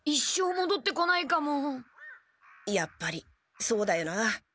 やっぱりそうだよな。